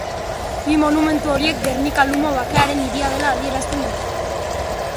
Bi monumentu horiek Gernika-Lumo bakearen hiria dela adierazten dute.